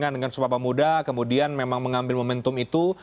dengan sumpah pemuda kemudian memang mengambil momentum itu